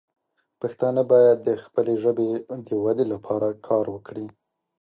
پښتانه باید د خپلې ژبې د ودې لپاره کار وکړي.